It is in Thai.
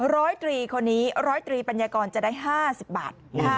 ร้อยตรีคนนี้ร้อยตรีปัญญากรจะได้๕๐บาท